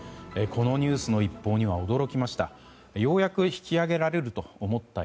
このニュースの一報には驚きました。